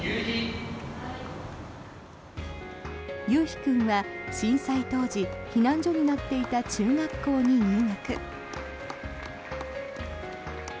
悠陽君は震災当時避難所になっていた中学校に入学。